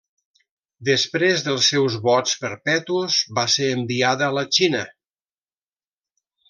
Després dels seus vots perpetus, va ser enviada a la Xina.